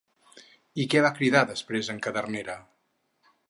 I què va cridar després en Cadernera?